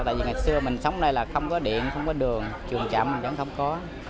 tại vì ngày xưa mình sống nay là không có điện không có đường trường chậm mình vẫn không có